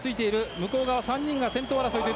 向こう側３人が先頭争い。